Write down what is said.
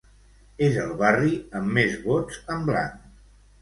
És el barri amb més vots en blanc.